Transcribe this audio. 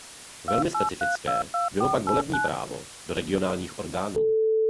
Velmi specifické bylo pak volební právo do regionálních orgánů.